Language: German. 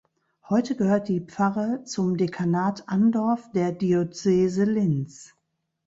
Heute gehört die Pfarre zum Dekanat Andorf der Diözese Linz.